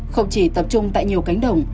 không chỉ tập trung tại nhiều cánh đồng